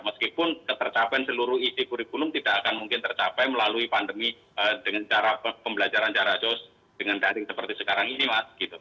meskipun ketercapaian seluruh isi kurikulum tidak akan mungkin tercapai melalui pandemi dengan cara pembelajaran jarak jauh dengan daring seperti sekarang ini mas